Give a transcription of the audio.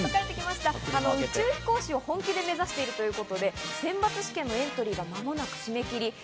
宇宙飛行士を本気で目指しているということで、選抜試験のエントリーが間もなく締め切り。